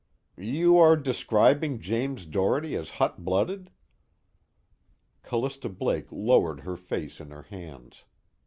"You are describing James Doherty as hotblooded?" Callista Blake lowered her face in her hands.